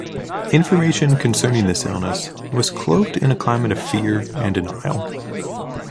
Information concerning this illness was cloaked in a climate of fear and denial.